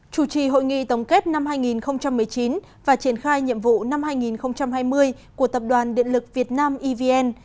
chủ trì hội nghị tổng kết năm hai nghìn một mươi chín và triển khai nhiệm vụ năm hai nghìn hai mươi của tập đoàn điện lực việt nam evn